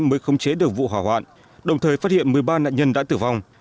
mới khống chế được vụ hỏa hoạn đồng thời phát hiện một mươi ba nạn nhân đã tử vong